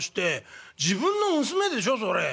自分の娘でしょそれ。